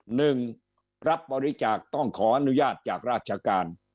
หนึ่งรับบริจาคต้องขออนุญาตจากราชการ